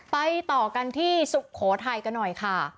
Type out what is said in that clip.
ต่อกันที่สุโขทัยกันหน่อยค่ะ